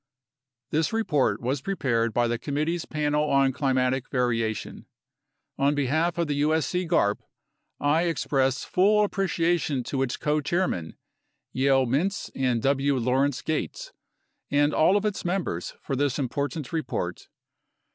This report was prepared by the Committee's Panel on Climatic Variation. On behalf of the usc garp, I express full appreciation to its Co Chairmen, Yale Mintz and W. Lawrence Gates, and all of its mem bers for this important report.